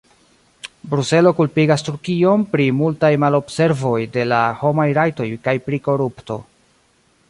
Bruselo kulpigas Turkion pri multaj malobservoj de la homaj rajtoj kaj pri korupto.